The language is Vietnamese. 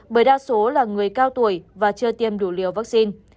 bởi đa số là người cao tuổi và chưa tiêm đủ liều vaccine